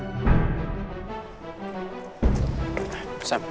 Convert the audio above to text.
gue kesini buat ika